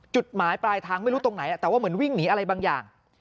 จุดหมายปลายทางไม่รู้ตรงไหนแต่ว่าเหมือนวิ่งหนีอะไรบางอย่าง